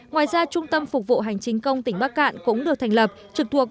ngoài ra trung tâm phục vụ hành chính công tỉnh bắc cạn cũng được thành lập trực thuộc